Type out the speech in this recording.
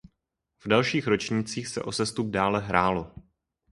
V dalších ročnících se o sestup dále hrálo.